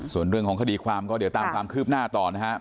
ส่วนคนข้าดีความก็จะตามคืบหน้าตอนนะฮะ